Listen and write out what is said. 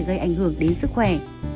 gây ảnh hưởng đến sức khỏe